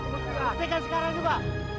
buktikan sekarang juga